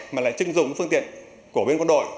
mà lại chứng dụng phương tiện của bên quân đội